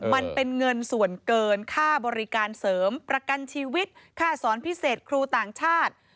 มันเป็นเงินส่วนเกินค่าบริการเสริมประกันชีวิตค่าสอนพิเศษครูต่างชาติ